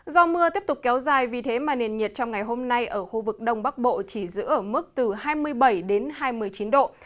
do mưa tiếp tục kéo dài vì thế mà nền nhiệt trong ngày hôm nay ở khu vực đông bắc bộ chỉ giữ ở mức từ hai mươi bảy đến hai mươi chín độ